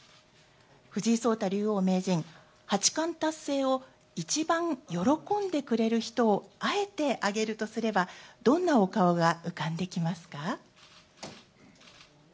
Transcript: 藤井聡太竜王・名人、八冠達成を一番喜んでくれる人を、あえて挙げるとすれば、どんなお顔が浮かんできますか。